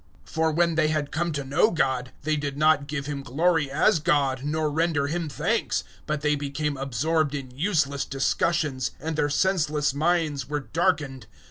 001:021 For when they had come to know God, they did not give Him glory as God nor render Him thanks, but they became absorbed in useless discussions, and their senseless minds were darkened.